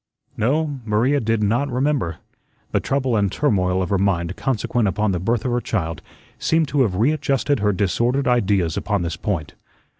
No, Maria did not remember. The trouble and turmoil of her mind consequent upon the birth of her child seemed to have readjusted her disordered ideas upon this point.